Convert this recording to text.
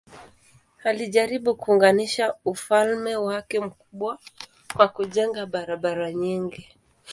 Alijaribu kuunganisha ufalme wake mkubwa kwa kujenga barabara nyingi.